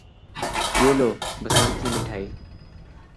یہ لو، بسنت کی مٹھائی۔